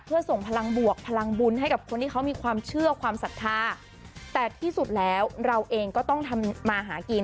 เพื่อส่งพลังบวกพลังบุญให้กับคนที่เขามีความเชื่อความศรัทธาแต่ที่สุดแล้วเราเองก็ต้องทำมาหากิน